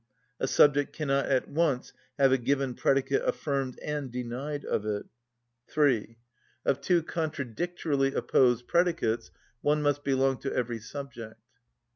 A subject cannot at once have a given predicate affirmed and denied of it. (3.) Of two contradictorily opposed predicates one must belong to every subject.